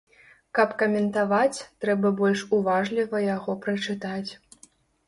Каб каментаваць, трэба больш уважліва яго прачытаць.